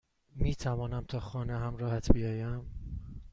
میتوانم تا خانه همراهت بیایم؟